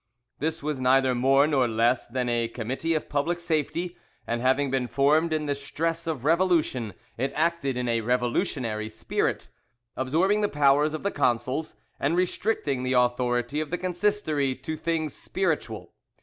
This was neither more nor less than a committee of public safety, and having been formed in the stress of revolution it acted in a revolutionary spirit, absorbing the powers of the consuls, and restricting the authority of the Consistory to things spiritual.